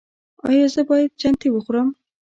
ایا زه باید چتني وخورم؟